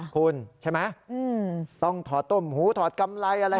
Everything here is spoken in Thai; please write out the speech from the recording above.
คุณใช่ไหมต้องถอดต้มหูถอดกำไรอะไร